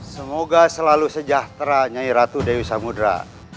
semoga selalu sejahtera nyai ratu dewi samudera